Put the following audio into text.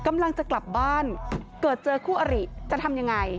กำลังจะกลับบ้านเกิดเจอคู่อริจะทำยังไง